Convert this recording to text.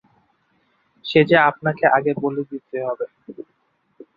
সে যে আপনাকে আগে বলি দিতে হবে।